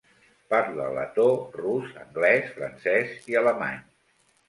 Parla letó, rus, anglès, francès, i alemany.